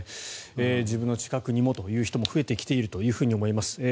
自分の近くにもという人も増えてきていると思います。